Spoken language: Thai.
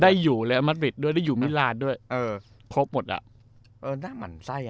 ได้อยู่เลยอมัตริดด้วยได้อยู่มิลานด้วยเออครบหมดอ่ะเออหน้าหมั่นไส้อ่ะ